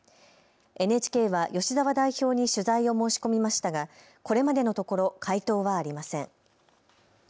ＮＨＫは吉澤代表に取材を申し込みましたが、これまでのところ回答はありません。